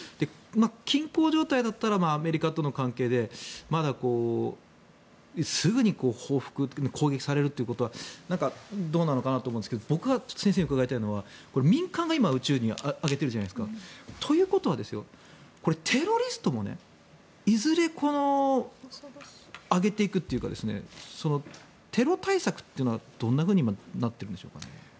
均衡状態だったらアメリカとの関係でまだすぐに報復攻撃されるということはどうなのかなと思うんですが僕が先生に伺いたいのは民間が今、宇宙に上げているじゃないですか。ということはこれはテロリストもいずれ上げていくというかテロ対策というのはどんなふうに今なっているんでしょうかね？